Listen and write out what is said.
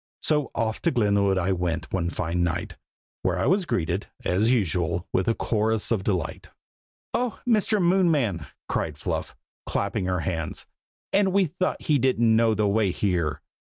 So off to Glenwood I went one fine night, where I was greeted, as usual, with a chorus of delight. "Oh! Mr. Moonman!" cried Fluff, clapping her hands. "And we thought he didn't know the way here!